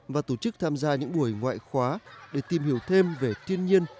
và tổ chức tham gia những buổi ngoại khóa để tìm hiểu thêm về thiên nhiên